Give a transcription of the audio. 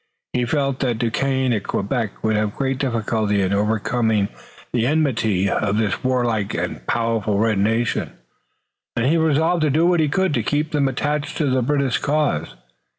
He felt that Duquesne at Quebec would have great difficulty in overcoming the enmity of this warlike and powerful red nation, and he resolved to do what he could to keep them attached to the British cause.